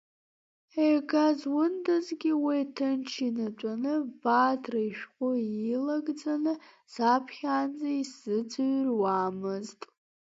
Ега зундазгьы уи ҭынч инатәаны Бадра ишәҟәы илагӡаны саԥхьаанӡа исзыӡрҩуамызт.